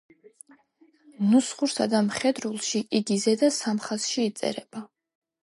ნუსხურსა და მხედრულში იგი ზედა სამ ხაზში იწერება.